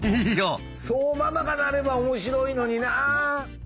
そうママがなれば面白いのにな。